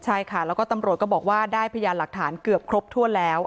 ใช่ค่ะแล้วก็ตำรวจก็บอกว่าได้พยานหลักฐานเกือบครบถ้วนแล้ว